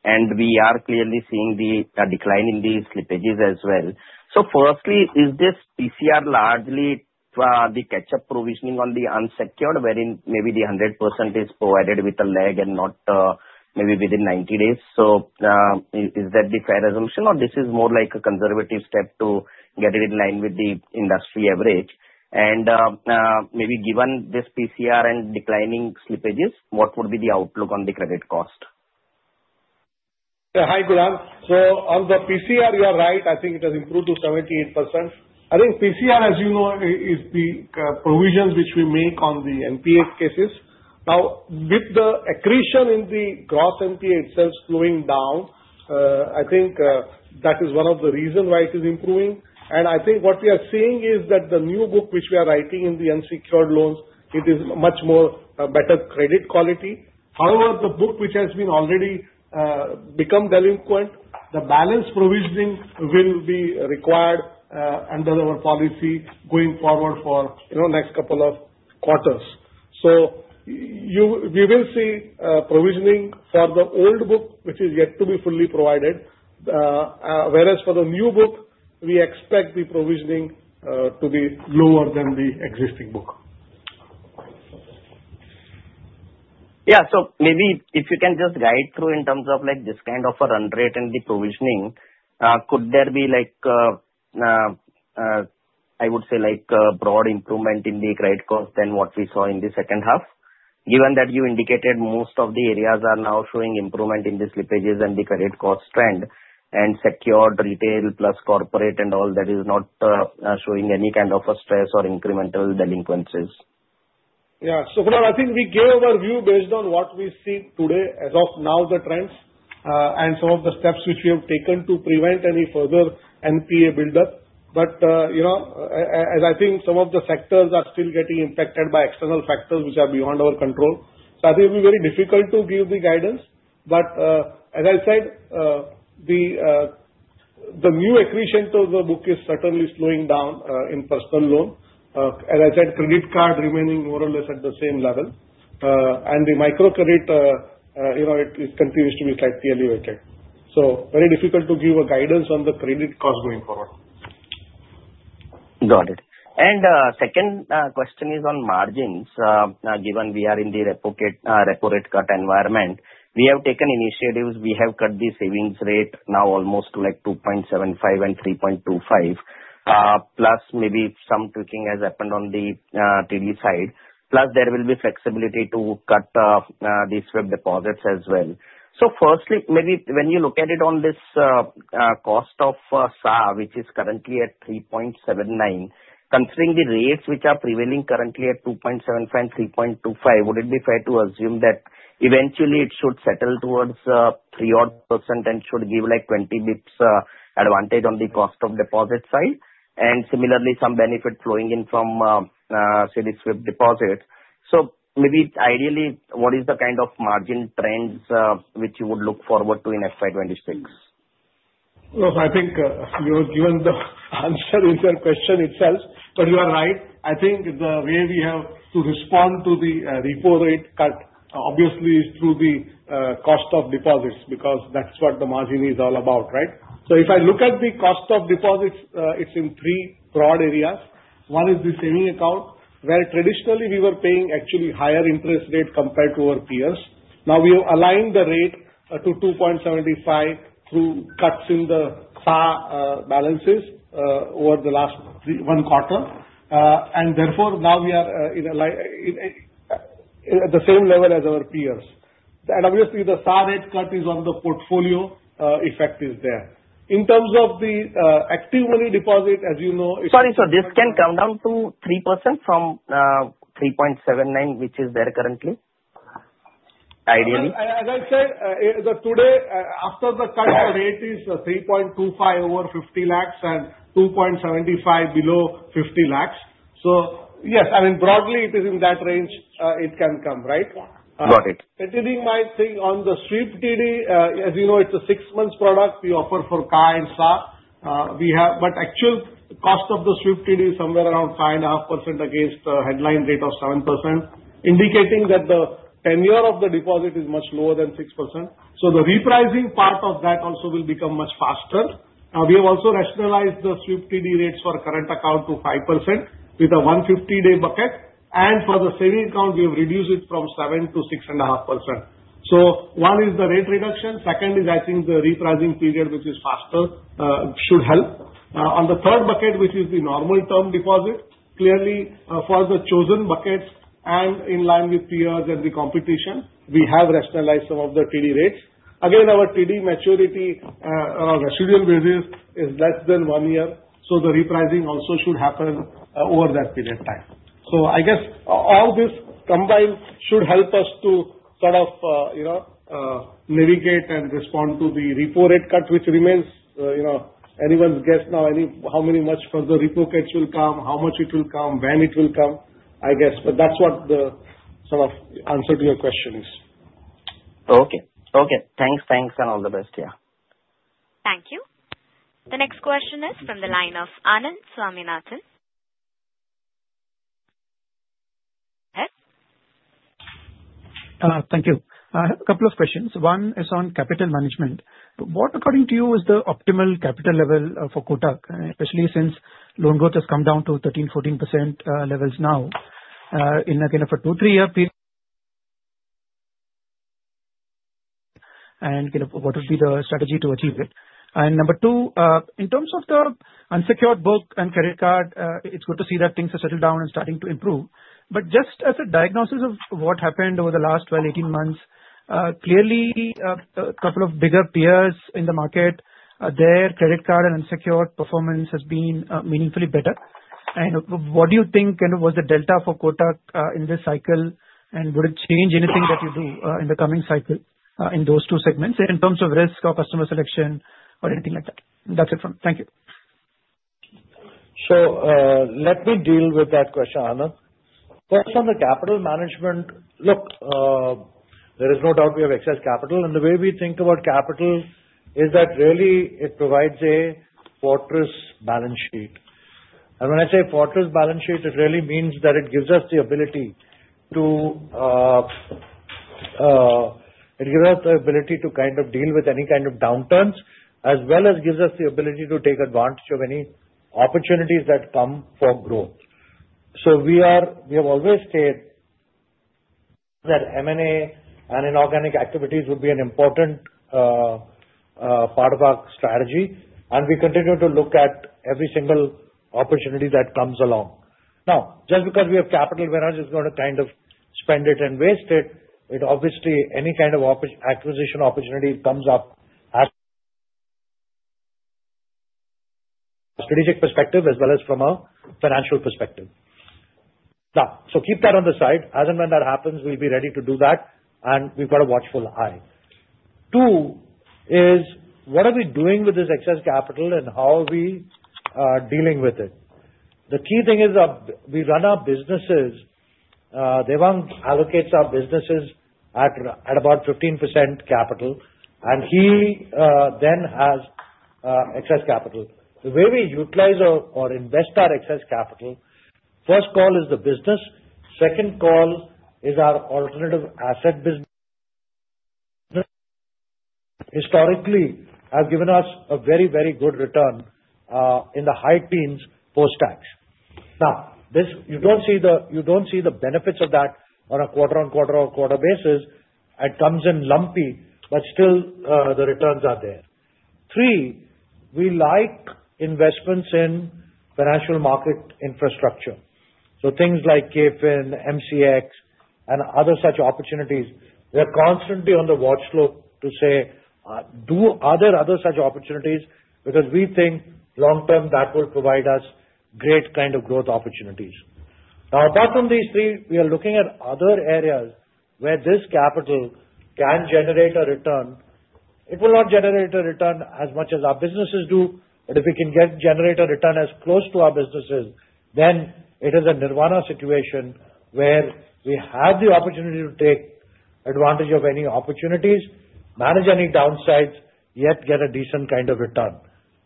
and we are clearly seeing the decline in the slippages as well. Firstly, is this PCR largely the catch-up provisioning on the unsecured, wherein maybe the 100% is provided with a lag and not maybe within 90 days? Is that the fair resolution, or is this more like a conservative step to get it in line with the industry average? Maybe given this PCR and declining slippages, what would be the outlook on the credit cost? Yeah, hi, Kunal. On the PCR, you are right. I think it has improved to 78%. I think PCR, as you know, is the provisions which we make on the NPA cases. Now, with the accretion in the gross NPA itself slowing down, I think that is one of the reasons why it is improving. I think what we are seeing is that the new book, which we are writing in the unsecured loans, it is much more better credit quality. However, the book, which has already become delinquent, the balance provisioning will be required under our policy going forward for the next couple of quarters. We will see provisioning for the old book, which is yet to be fully provided, whereas for the new book, we expect the provisioning to be lower than the existing book. Yeah, maybe if you can just guide through in terms of this kind of a run rate and the provisioning, could there be, I would say, a broad improvement in the credit cost than what we saw in the second half? Given that you indicated most of the areas are now showing improvement in the slippages and the credit cost trend, and secured retail plus corporate and all that is not showing any kind of a stress or incremental delinquencies. Yeah, Kunal, I think we gave our view based on what we see today as of now, the trends and some of the steps which we have taken to prevent any further NPA build-up. As I think some of the sectors are still getting impacted by external factors which are beyond our control, I think it will be very difficult to give the guidance. As I said, the new accretion to the book is certainly slowing down in personal loan. As I said, credit card remaining more or less at the same level, and the microcredit, it continues to be slightly elevated. Very difficult to give a guidance on the credit cost going forward. Got it. Second question is on margins. Given we are in the repo rate cut environment, we have taken initiatives. We have cut the savings rate now almost to like 2.75 and 3.25, plus maybe some tweaking has happened on the TD side. Plus, there will be flexibility to cut these web deposits as well. Firstly, maybe when you look at it on this cost of SAR, which is currently at 3.79, considering the rates which are prevailing currently at 2.75 and 3.25, would it be fair to assume that eventually it should settle towards 3% and should give like 20 basis points advantage on the cost of deposit side? Similarly, some benefit flowing in from swift deposits. Maybe ideally, what is the kind of margin trends which you would look forward to in FY 2026? I think you have given the answer in the question itself, but you are right. I think the way we have to respond to the repo rate cut obviously is through the cost of deposits because that's what the margin is all about, right? If I look at the cost of deposits, it's in three broad areas. One is the saving account, where traditionally we were paying actually higher interest rate compared to our peers. Now we have aligned the rate to 2.75% through cuts in the SAR balances over the last one quarter, and therefore now we are at the same level as our peers. Obviously, the SAR rate cut is on the portfolio effect. In terms of the Active Money deposit, as you know. Sorry, this can come down to 3% from 3.79%, which is there currently, ideally? As I said, today, after the cut, the rate is 3.25% over 5,000,000 and 2.75% below 5,000,000. Yes, I mean, broadly, it is in that range it can come, right? Yeah. Got it. Continuing my thing on the Sweep TD, as you know, it is a six-month product. We offer for KA and SAR. Actual cost of the Sweep TD is somewhere around 5.5% against the headline rate of 7%, indicating that the tenure of the deposit is much lower than six months. The repricing part of that also will become much faster. We have also rationalized the Sweep TD rates for current account to 5% with a 150-day bucket. For the saving account, we have reduced it from 7% to 6.5%. One is the rate reduction. Second is, I think, the repricing period, which is faster, should help. On the third bucket, which is the normal term deposit, clearly for the chosen buckets and in line with peers and the competition, we have rationalized some of the TD rates. Again, our TD maturity on residual basis is less than one year, so the repricing also should happen over that period of time. I guess all this combined should help us to sort of navigate and respond to the repo rate cut, which remains anyone's guess now how many much further repo cuts will come, how much it will come, when it will come, I guess. That's what the sort of answer to your question is. Okay. Okay. Thanks. Thanks, and all the best. Yeah. Thank you. The next question is from the line of Anand Swaminathan. Yes? Thank you. I have a couple of questions. One is on capital management. What, according to you, is the optimal capital level for Kotak, especially since loan growth has come down to 13%-14% levels now in a kind of a two to three-year period? What would be the strategy to achieve it? Number two, in terms of the unsecured book and credit card, it's good to see that things have settled down and are starting to improve. Just as a diagnosis of what happened over the last 12-18 months, clearly, a couple of bigger peers in the market, their credit card and unsecured performance has been meaningfully better. What do you think was the delta for Kotak in this cycle, and would it change anything that you do in the coming cycle in those two segments in terms of risk or customer selection or anything like that? That's it from me. Thank you. Let me deal with that question, Anand. First, on the capital management, look, there is no doubt we have excess capital. The way we think about capital is that really it provides a fortress balance sheet. When I say fortress balance sheet, it really means that it gives us the ability to kind of deal with any kind of downturns, as well as gives us the ability to take advantage of any opportunities that come for growth. We have always said that M&A and inorganic activities would be an important part of our strategy, and we continue to look at every single opportunity that comes along. Now, just because we have capital, whereas it's going to kind of spend it and waste it, it obviously any kind of acquisition opportunity comes up as strategic perspective as well as from a financial perspective. Keep that on the side. As and when that happens, we'll be ready to do that, and we've got a watchful eye. Two is, what are we doing with this excess capital and how are we dealing with it? The key thing is we run our businesses. Devang allocates our businesses at about 15% capital, and he then has excess capital. The way we utilize or invest our excess capital, first call is the business. Second call is our alternative asset business. Historically, it has given us a very, very good return in the high teens post-tax. Now, you don't see the benefits of that on a quarter-on-quarter or quarter basis. It comes in lumpy, but still, the returns are there. Three, we like investments in financial market infrastructure. So things like KFIN, MCX, and other such opportunities. We are constantly on the watchdog to say, "Do other such opportunities?" because we think long-term that will provide us great kind of growth opportunities. Now, apart from these three, we are looking at other areas where this capital can generate a return. It will not generate a return as much as our businesses do, but if we can generate a return as close to our businesses, then it is a Nirvana situation where we have the opportunity to take advantage of any opportunities, manage any downsides, yet get a decent kind of return.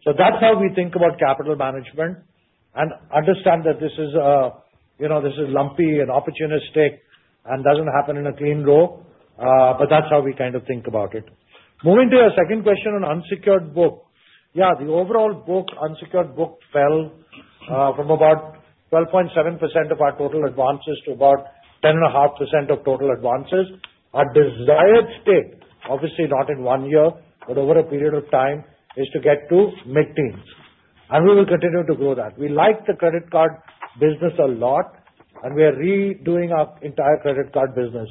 That is how we think about capital management and understand that this is lumpy and opportunistic and does not happen in a clean row, but that is how we kind of think about it. Moving to your second question on unsecured book. Yeah, the overall unsecured book fell from about 12.7% of our total advances to about 10.5% of total advances. Our desired state, obviously not in one year, but over a period of time, is to get to mid-teens. We will continue to grow that. We like the credit card business a lot, and we are redoing our entire credit card business,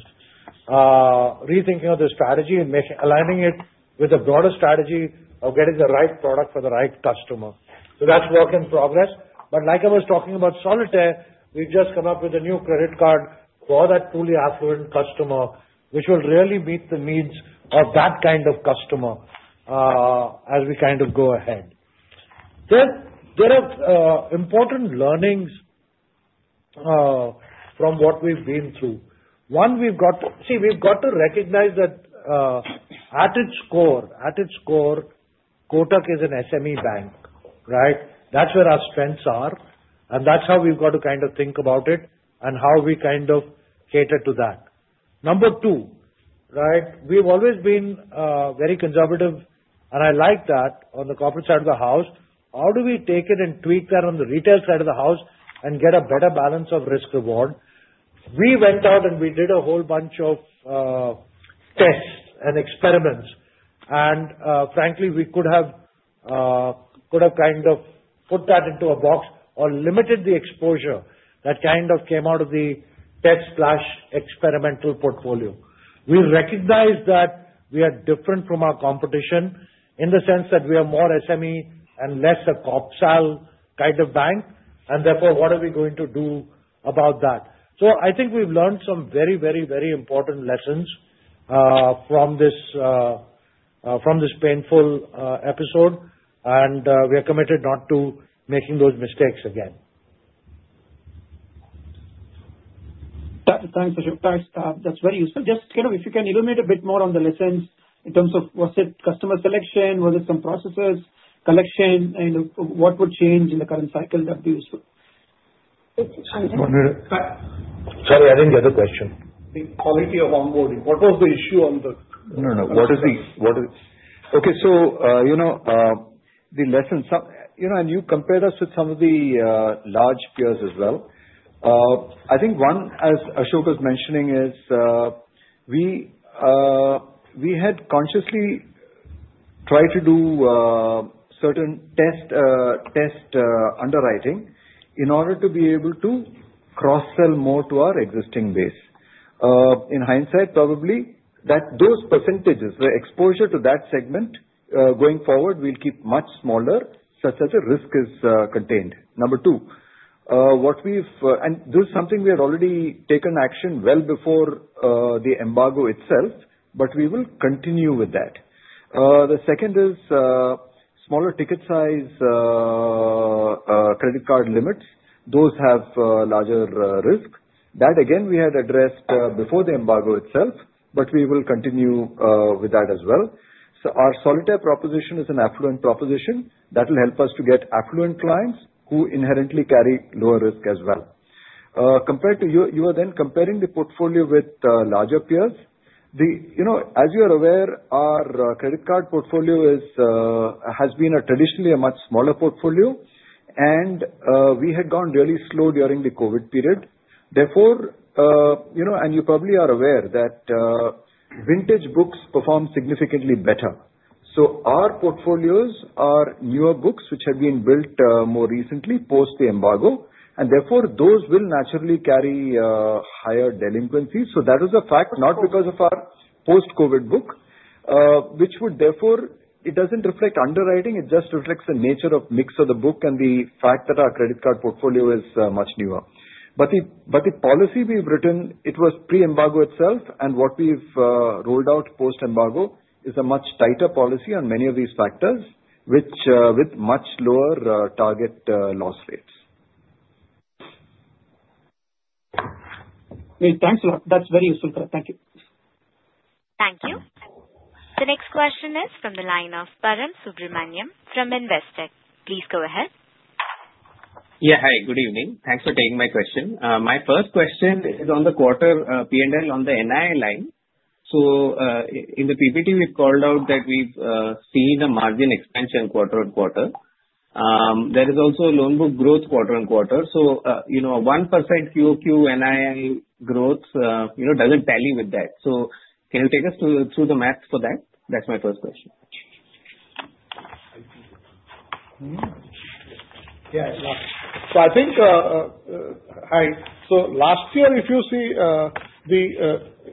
rethinking the strategy and aligning it with a broader strategy of getting the right product for the right customer. That is work in progress. Like I was talking about Solitaire, we've just come up with a new credit card for that truly affluent customer, which will really meet the needs of that kind of customer as we kind of go ahead. There are important learnings from what we've been through. One, we've got to see, we've got to recognize that at its core, Kotak is an SME bank, right? That's where our strengths are, and that's how we've got to kind of think about it and how we kind of cater to that. Number two, right, we've always been very conservative, and I like that on the corporate side of the house. How do we take it and tweak that on the retail side of the house and get a better balance of risk-reward? We went out and we did a whole bunch of tests and experiments, and frankly, we could have kind of put that into a box or limited the exposure that kind of came out of the test/experimental portfolio. We recognize that we are different from our competition in the sense that we are more SME and less a corporate kind of bank, and therefore, what are we going to do about that? I think we've learned some very, very, very important lessons from this painful episode, and we are committed not to making those mistakes again. Thanks, Ashok. That's very useful. Just kind of if you can illuminate a bit more on the lessons in terms of, was it customer selection? Was it some processes, collection? What would change in the current cycle that would be useful? Sorry, I didn't get the question. The quality of onboarding. What was the issue on the? No, no. What is the? Okay. The lessons, and you compared us with some of the large peers as well. I think one, as Ashok was mentioning, is we had consciously tried to do certain test underwriting in order to be able to cross-sell more to our existing base. In hindsight, probably those percentages, the exposure to that segment going forward, will keep much smaller, such that the risk is contained. Number two, what we've, and this is something we had already taken action well before the embargo itself, but we will continue with that. The second is smaller ticket size credit card limits. Those have larger risk. That, again, we had addressed before the embargo itself, but we will continue with that as well. Our Solitaire proposition is an affluent proposition. That will help us to get affluent clients who inherently carry lower risk as well. You were then comparing the portfolio with larger peers. As you are aware, our credit card portfolio has been traditionally a much smaller portfolio, and we had gone really slow during the COVID period. Therefore, you probably are aware that vintage books perform significantly better. Our portfolios are newer books which have been built more recently post the embargo, and therefore, those will naturally carry higher delinquencies. That is a fact, not because of our post-COVID book, which would therefore it does not reflect underwriting. It just reflects the nature of mix of the book and the fact that our credit card portfolio is much newer. But the policy we've written, it was pre-embargo itself, and what we've rolled out post-embargo is a much tighter policy on many of these factors, which with much lower target loss rates. Thanks a lot. That's very useful. Thank you. Thank you. The next question is from the line of Param Subramanian from Investec. Please go ahead. Yeah. Hi. Good evening. Thanks for taking my question. My first question is on the quarter P&L on the NII line. In the PPT, we've called out that we've seen a margin expansion quarter on quarter. There is also loan book growth quarter on quarter. A 1% QQ NII growth doesn't tally with that. Can you take us through the math for that? That's my first question. Yeah. I think, hi. Last year, if you see the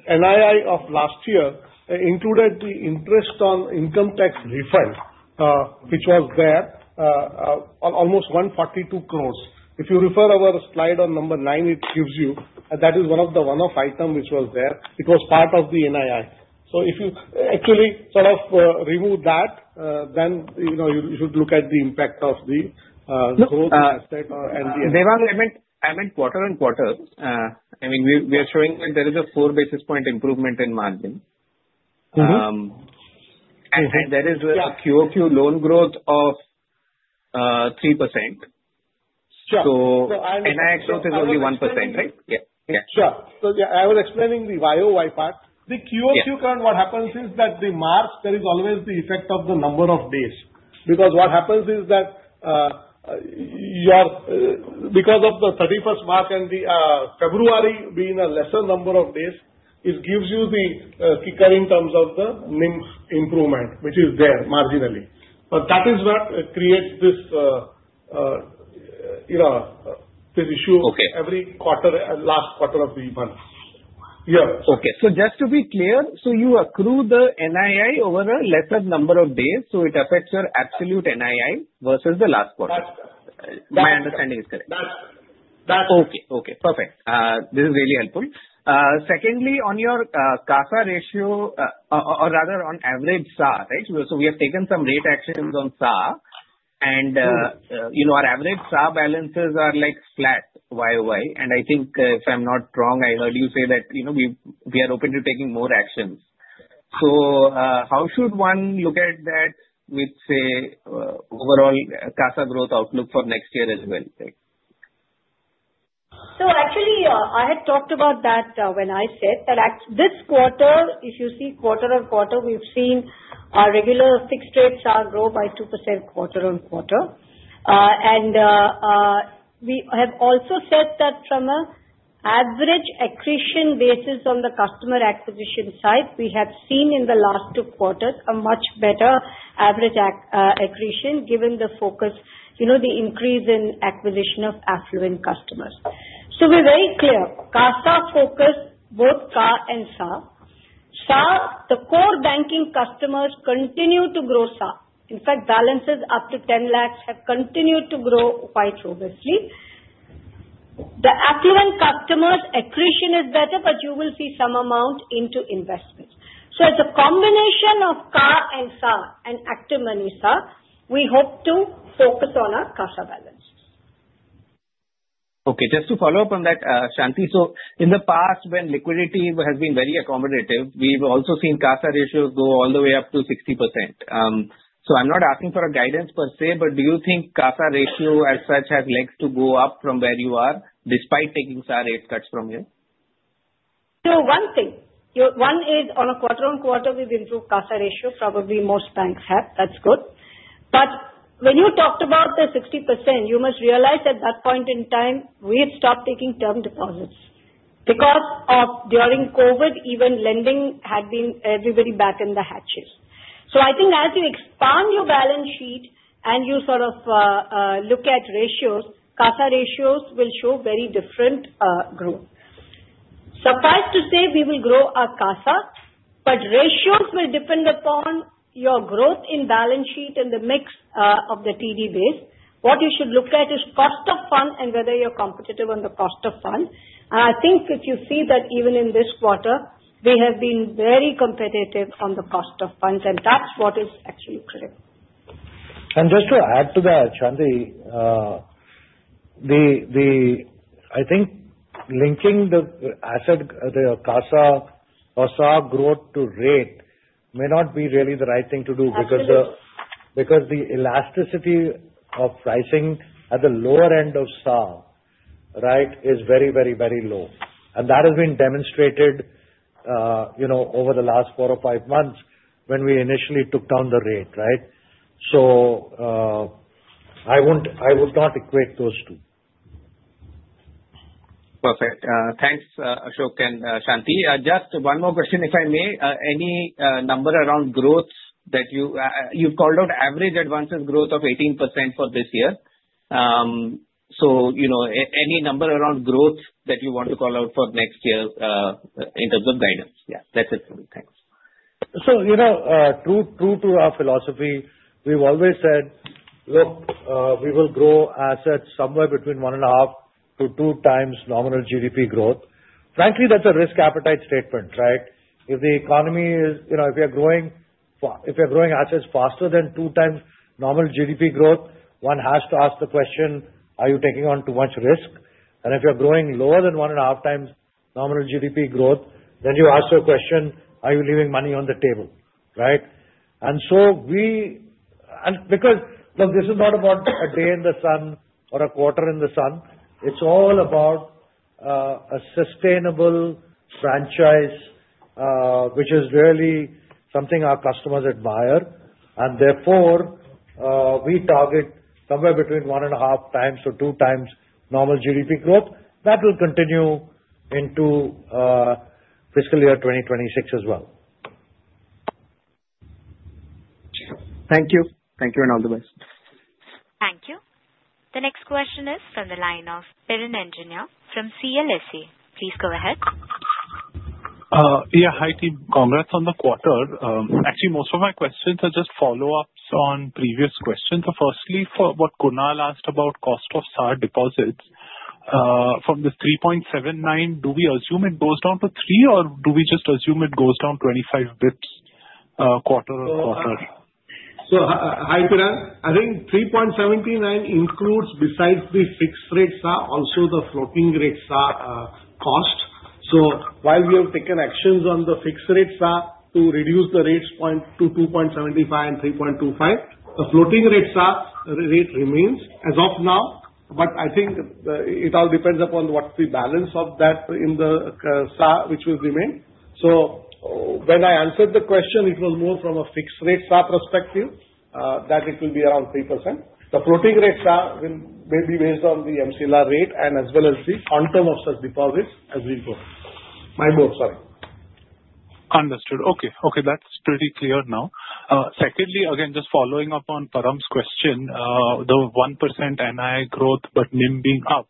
NII of last year included the interest on income tax refund, which was there, almost 142 crore. If you refer our slide on number nine, it gives you that is one of the one-off item which was there. It was part of the NII. If you actually sort of remove that, then you should look at the impact of the growth asset or NDI. Devang, I meant quarter on quarter. I mean, we are showing that there is a four basis point improvement in margin. And there is a QoQ loan growth of 3%. NII growth is only 1%, right? Yeah. Yeah. Sure. Yeah, I was explaining the YoY part. The QoQ current, what happens is that the mark, there is always the effect of the number of days. Because what happens is that because of the 31st mark and February being a lesser number of days, it gives you the kicker in terms of the NIM improvement, which is there marginally. That is what creates this issue every quarter and last quarter of the month. Yeah. Okay. Just to be clear, you accrue the NII over a lesser number of days, so it affects your absolute NII versus the last quarter. My understanding is correct. That's it. That's it. Okay. Okay. Perfect. This is really helpful. Secondly, on your CASA ratio, or rather on average SA, right? We have taken some rate actions on SA, and our average SA balances are flat YoY. I think if I'm not wrong, I heard you say that we are open to taking more actions. How should one look at that with, say, overall CASA growth outlook for next year as well? Actually, I had talked about that when I said that this quarter, if you see quarter on quarter, we have seen our regular fixed rate SAR grow by 2% quarter on quarter. We have also said that from an average accretion basis on the customer acquisition side, we have seen in the last two quarters a much better average accretion given the focus, the increase in acquisition of affluent customers. We are very clear. CASA focus both CA and SAR. SAR, the core banking customers continue to grow SAR. In fact, balances up to 1,000,000 have continued to grow quite robustly. The affluent customers' accretion is better, but you will see some amount into investment. It is a combination of CA and SAR and active money SAR. We hope to focus on our CASA balances. Okay. Just to follow up on that, Shanti, in the past, when liquidity has been very accommodative, we've also seen CASA ratios go all the way up to 60%. I'm not asking for a guidance per se, but do you think CASA ratio as such has legs to go up from where you are despite taking SA rate cuts from you? One thing. One is on a quarter on quarter, we've improved CASA ratio. Probably most banks have. That's good. When you talked about the 60%, you must realize at that point in time, we had stopped taking term deposits because during COVID, even lending had been everybody back in the hatches. I think as you expand your balance sheet and you sort of look at ratios, CASA ratios will show very different growth. Suffice to say, we will grow our CASA, but ratios will depend upon your growth in balance sheet and the mix of the TD base. What you should look at is cost of fund and whether you're competitive on the cost of fund. I think if you see that even in this quarter, we have been very competitive on the cost of funds, and that's what is actually critical. Just to add to that, Shanti, I think linking the CASA or SAR growth to rate may not be really the right thing to do because the elasticity of pricing at the lower end of SAR, right, is very, very, very low. That has been demonstrated over the last four or five months when we initially took down the rate, right? I would not equate those two. Perfect. Thanks, Ashok and Shanti. Just one more question, if I may. Any number around growth that you've called out? Average advances growth of 18% for this year. Any number around growth that you want to call out for next year in terms of guidance? Yeah. That's it for me. Thanks. True to our philosophy, we've always said, "Look, we will grow assets somewhere between one and a half to two times nominal GDP growth." Frankly, that's a risk appetite statement, right? If the economy is, if you're growing assets faster than two times nominal GDP growth, one has to ask the question, "Are you taking on too much risk?" If you're growing lower than one and a half times nominal GDP growth, then you ask your question, "Are you leaving money on the table?" Right? We because, look, this is not about a day in the sun or a quarter in the sun. It's all about a sustainable franchise, which is really something our customers admire. Therefore, we target somewhere between one and a half times or two times nominal GDP growth. That will continue into fiscal year 2026 as well. Thank you. Thank you and all the best. Thank you. The next question is from the line of Piran Engineer from CLSA. Please go ahead. Yeah. Hi, team. Congrats on the quarter. Actually, most of my questions are just follow-ups on previous questions. Firstly, for what Kunal asked about cost of SA deposits, from the 3.79, do we assume it goes down to 3, or do we just assume it goes down 25 basis points quarter on quarter? Hi, Piran. I think 3.79 includes, besides the fixed rate SAR, also the floating rate SAR cost. While we have taken actions on the fixed rate SAR to reduce the rates to 2.75 and 3.25, the floating rate SAR rate remains as of now. I think it all depends upon what the balance of that in the SAR, which will remain. When I answered the question, it was more from a fixed rate SAR perspective that it will be around 3%. The floating rate SAR may be based on the MCLR rate and as well as the quantum of such deposits as we go. My board, sorry. Understood. Okay. Okay. That is pretty clear now. Secondly, again, just following up on Param's question, the 1% NII growth, but NIM being up.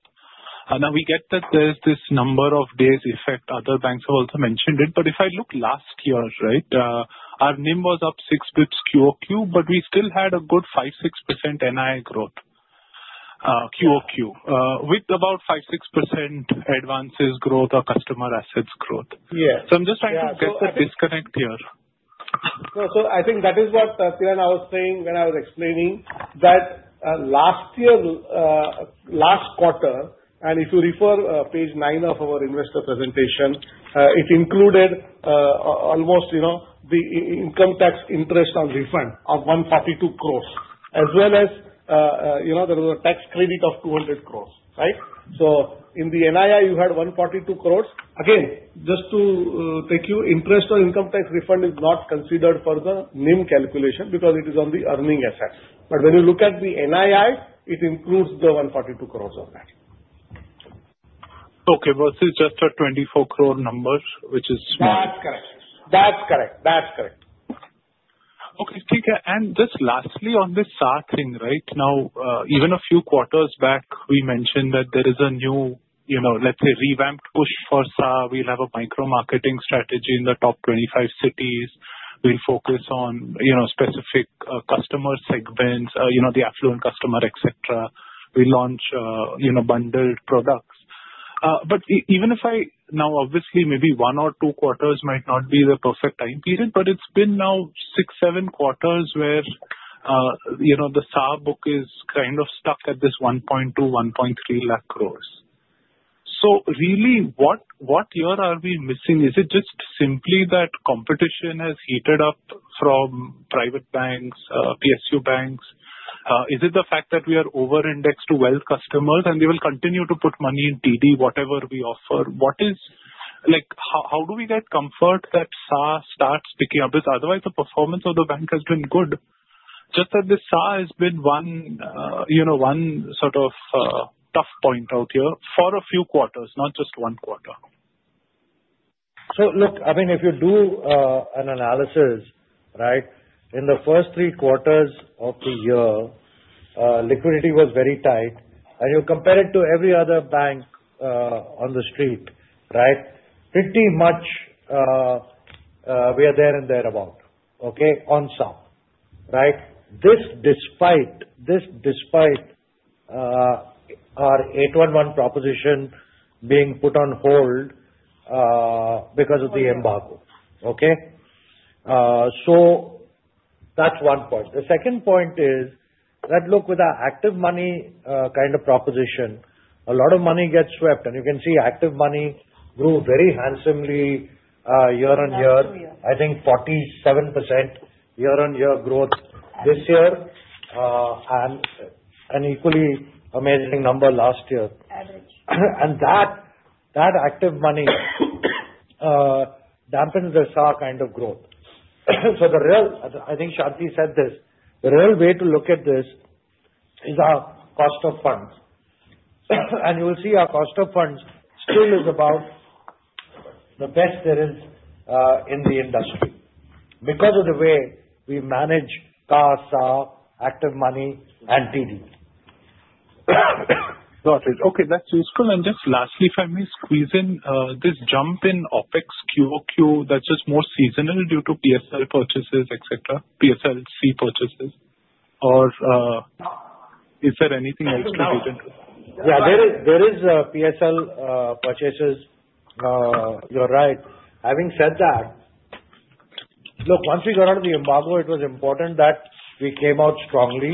We get that there is this number of days effect. Other banks have also mentioned it. If I look last year, right, our NIM was up 6 basis points QoQ, but we still had a good 5%-6% NII growth QoQ with about 5%-6% advances growth or customer assets growth. I am just trying to get the disconnect here. I think that is what Piran, I was saying when I was explaining that last year, last quarter, and if you refer page 9 of our investor presentation, it included almost the income tax interest on refund of 142 crore, as well as there was a tax credit of 200 crore, right? In the NII, you had 142 crore. Again, just to take you, interest on income tax refund is not considered for the NIM calculation because it is on the earning asset. When you look at the NII, it includes the 142 crore on that. Okay. But it's just an 24 crore number, which is small. That's correct. That's correct. That's correct. Okay. Just lastly on the SAR thing, right? Now, even a few quarters back, we mentioned that there is a new, let's say, revamped push for SAR. We'll have a micro marketing strategy in the top 25 cities. We'll focus on specific customer segments, the affluent customer, etc. We launch bundled products. Even if I now, obviously, maybe one or two quarters might not be the perfect time period, but it's been now six-seven quarters where the SAR book is kind of stuck at this 1.2-1.3 lakh crore. What are we missing here? Is it just simply that competition has heated up from private banks, PSU banks? Is it the fact that we are over-indexed to wealth customers, and they will continue to put money in TD, whatever we offer? How do we get comfort that SAR starts picking up? Because otherwise, the performance of the bank has been good. Just that the SAR has been one sort of tough point out here for a few quarters, not just one quarter. Look, I mean, if you do an analysis, right, in the first three quarters of the year, liquidity was very tight. You compare it to every other bank on the street, right? Pretty much we are there and thereabout, okay, on SAR, right? This despite our 811 proposition being put on hold because of the embargo, okay? That is one point. The second point is that, look, with our Active Money kind of proposition, a lot of money gets swept. You can see Active Money grew very handsomely year on year, I think 47% year on year growth this year and an equally amazing number last year. Average. That Active Money dampens the SA kind of growth. I think Shanti said this. The real way to look at this is our cost of funds. You will see our cost of funds still is about the best there is in the industry because of the way we manage CASA, Active Money, and TD. Got it. Okay. That is useful. Just lastly, if I may squeeze in, this jump in OpEx QoQ, that is just more seasonal due to PSL purchases, etc., PSLC purchases. Or is there anything else to be done? Yeah. There is PSL purchases. You are right. Having said that, look, once we got out of the embargo, it was important that we came out strongly.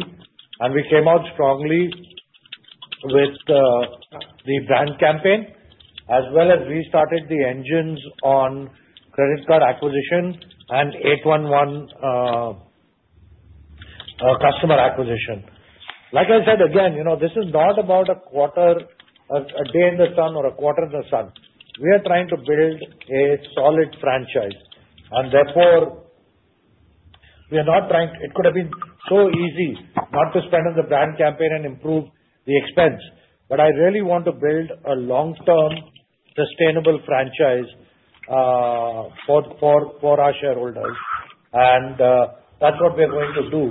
We came out strongly with the brand campaign, as well as we started the engines on credit card acquisition and 811 customer acquisition. Like I said, again, this is not about a quarter, a day in the sun, or a quarter in the sun. We are trying to build a solid franchise. Therefore, we are not trying—it could have been so easy not to spend on the brand campaign and improve the expense. I really want to build a long-term sustainable franchise for our shareholders. That is what we are going to do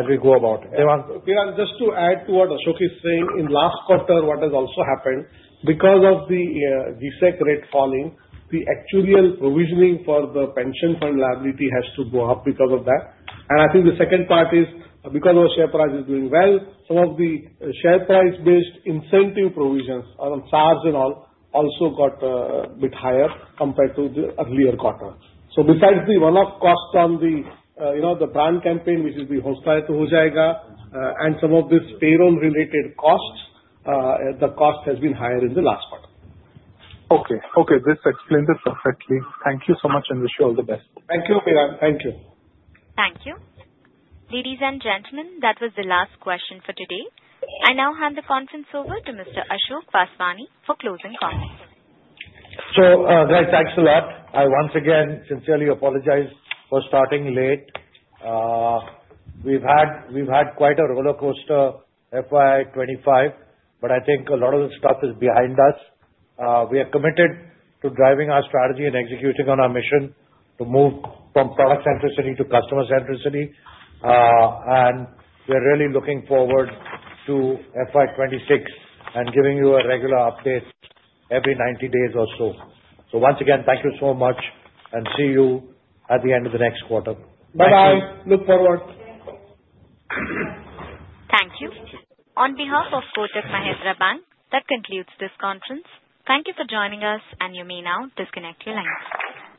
as we go about it. Piran, just to add to what Ashok is saying, in last quarter, what has also happened, because of the G-Sec rate falling, the actuarial provisioning for the pension fund liability has to go up because of that. I think the second part is because our share price is doing well, some of the share price-based incentive provisions on SARs and all also got a bit higher compared to the earlier quarter. Besides the one-off cost on the brand campaign, which is the hostile to Hojayega, and some of these payroll-related costs, the cost has been higher in the last quarter. Okay. Okay. This explains it perfectly. Thank you so much and wish you all the best. Thank you, Piran. Thank you. Thank you. Ladies and gentlemen, that was the last question for today. I now hand the conference over to Mr. Ashok Vaswani for closing comments. Guys, thanks a lot. I once again sincerely apologize for starting late. We have had quite a roller coaster FY25, but I think a lot of the stuff is behind us. We are committed to driving our strategy and executing on our mission to move from product centricity to customer centricity. We are really looking forward to FY26 and giving you a regular update every 90 days or so. Once again, thank you so much, and see you at the end of the next quarter. Bye-bye. Look forward. Thank you. On behalf of Kotak Mahindra Bank, that concludes this conference. Thank you for joining us, and you may now disconnect your line.